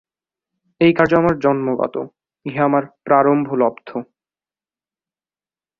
এই কার্য আমার জন্মগত, ইহা আমার প্রারব্ধ-লব্ধ।